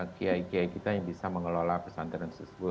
kiai kiai kita yang bisa mengelola pesantren tersebut